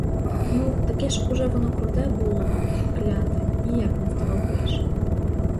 Ну, таке ж уже воно круте було, кляте, ніяк не второпаєш.